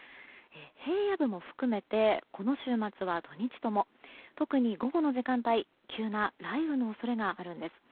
平野部も含めてこの週末は土日とも特に午後の時間帯急な雷雨の恐れがあるんです。